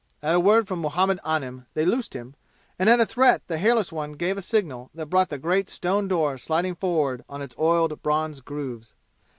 At a word from Muhammad Anim they loosed him; and at a threat the hairless one gave a signal that brought the great stone door sliding forward on its oiled bronze grooves.